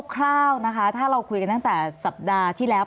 คร่าวนะคะถ้าเราคุยกันตั้งแต่สัปดาห์ที่แล้ว